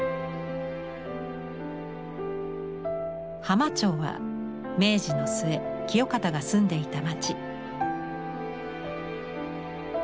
浜町は明治の末清方が住んでいた町。